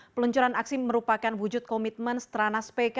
peluncuran aksi merupakan wujud komitmen stranas pk